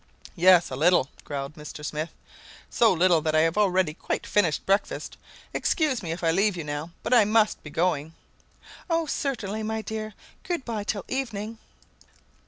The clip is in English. "Yes, a little," growled Mr. Smith; "so little that I have already quite finished breakfast. Excuse me if I leave you now, but I must be going." "O certainly, my dear; good by till evening."